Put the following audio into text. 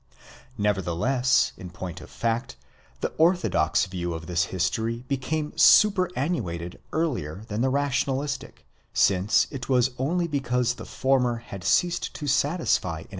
Nevertheless, in point of fact,. the orthodox view of this history became superannuated earlier than the rationalistic, since it was only because the former had ceased to satisfy an.